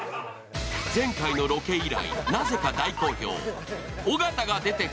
前回のロケ以来、なぜか大好評。